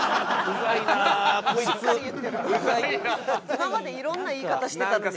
今までいろんな言い方してたのに。